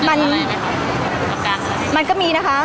พี่ตอบได้แค่นี้จริงค่ะ